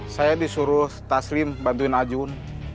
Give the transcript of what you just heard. saya disuruh taslim bantuin ajun